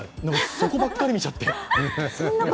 そこばっかり見ちゃって。